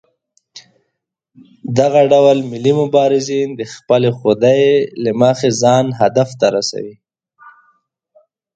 دغه ډول ملي مبارزین د خپلې خودۍ له مخې ځان هدف ته رسوي.